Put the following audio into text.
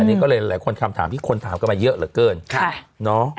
อันนี้ก็เลยหลายคนคำถามที่คนถามกันมาเยอะเหลือเกิน